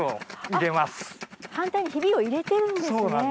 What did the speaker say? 反対にヒビを入れてるんですね。